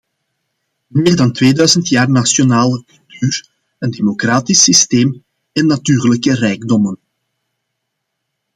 Meer dan tweeduizend jaar nationale cultuur, een democratisch systeem en natuurlijke rijkdommen.